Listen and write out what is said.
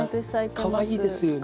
かわいいですよね